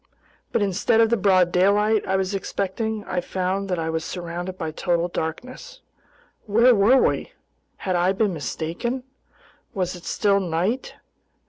But instead of the broad daylight I was expecting, I found that I was surrounded by total darkness. Where were we? Had I been mistaken? Was it still night?